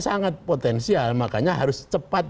sangat potensial makanya harus cepat